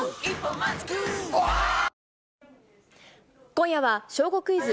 今夜は、小５クイズ。